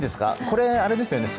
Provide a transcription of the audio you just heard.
これあれですよね